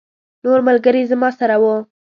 نور ملګري زما سره وو.